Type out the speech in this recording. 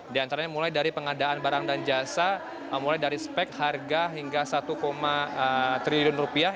diantaranya mulai dari pengadaan barang dan jasa mulai dari spek harga hingga satu tiga juta rupiah